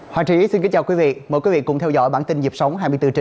hoàng trị xin kính chào quý vị mời quý vị cùng theo dõi bản tin nhịp sống hai mươi bốn bảy